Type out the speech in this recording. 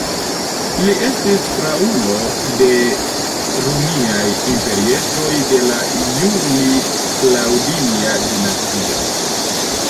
Li estis praulo de Romiaj imperiestroj de la Juli-Klaŭdia dinastio.